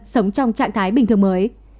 sống trong trạng thái bình thường mới